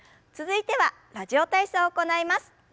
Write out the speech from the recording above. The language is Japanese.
続いては「ラジオ体操」を行います。